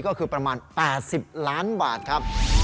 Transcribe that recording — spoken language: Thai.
ก็คือประมาณ๘๐ล้านบาทครับ